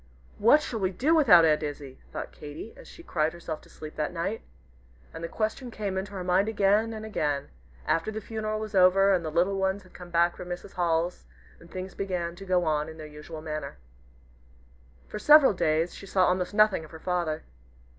"What shall we do without Aunt Izzie?" thought Katy, as she cried herself to sleep that night. And the question came into her mind again and again, after the funeral was over and the little ones had come back from Mrs. Hall's, and things began to go on in their usual manner. For several days she saw almost nothing of her father.